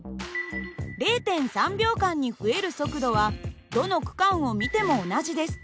０．３秒間に増える速度はどの区間を見ても同じです。